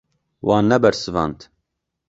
Wan nebersivand.